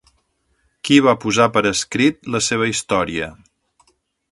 Qui va posar per escrit la seva història?